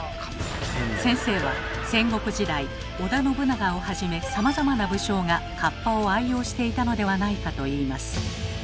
先生は戦国時代織田信長をはじめさまざまな武将がかっぱを愛用していたのではないかといいます。